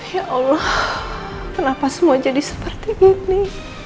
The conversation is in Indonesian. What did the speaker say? ya allah kenapa semua jadi seperti ini